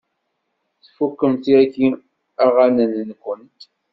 Tfukemt yagi aɣanen-nwent?